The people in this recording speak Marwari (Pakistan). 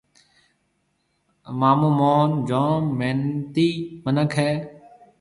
مآمو موهن جوم محنتِي مِنک هيَ۔